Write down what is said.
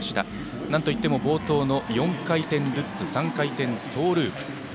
なんといっても冒頭の４回転ルッツ３回転トーループ。